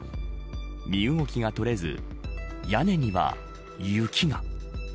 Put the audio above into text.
身動きがとれず屋根には雪が。